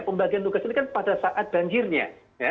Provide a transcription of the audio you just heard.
pembagian tugas ini kan pada saat banjirnya